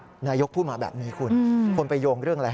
เรื่องการเมืองคุณพูดมาแบบนี้คุณคุณพูดมาแบบนี้คุณคุณไปโยงเรื่องอะไรฮะ